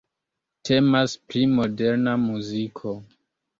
Temas pri Moderna muziko.